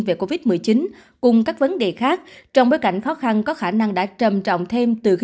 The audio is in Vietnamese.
về covid một mươi chín cùng các vấn đề khác trong bối cảnh khó khăn có khả năng đã trầm trọng thêm từ khi